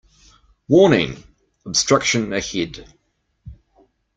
Warning! Obstruction ahead.